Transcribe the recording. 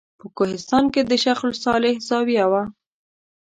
په کوهستان کې د شیخ صالح زاویه وه.